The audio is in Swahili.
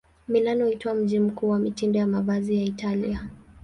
Milano huitwa mji mkuu wa mitindo ya mavazi ya Italia.